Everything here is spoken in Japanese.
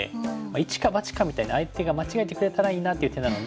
一か八かみたいな相手が間違えてくれたらいいなっていう手なので。